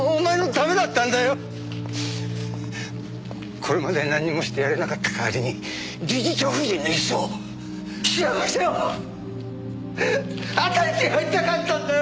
これまで何もしてやれなかった代わりに理事長夫人の椅子を幸せを与えてやりたかったんだよ！